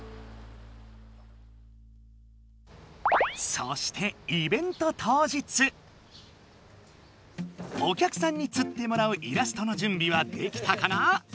そしてお客さんにつってもらうイラストのじゅんびはできたかな？